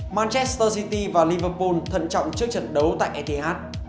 manchester city và liverpool thận trọng trước trận đấu tại eth